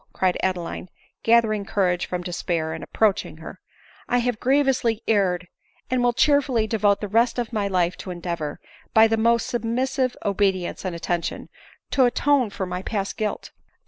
cried Adeline, gathering courage from despair, and ap proaching her ;" I have grievously erred, and will cheer* fully devote the rest of my life to endeavor, by the most submissive obedience and attention, to atone for my past guilt.